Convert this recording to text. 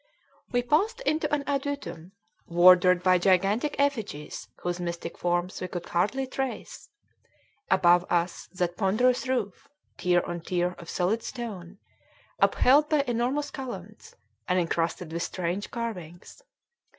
We passed into an adytum, wardered by gigantic effigies whose mystic forms we could hardly trace; above us that ponderous roof, tier on tier of solid stone, upheld by enormous columns, and incrusted with strange carvings.